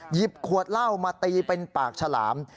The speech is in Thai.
หยิบขวดเหล้ามาตีเป็นปากฉลาม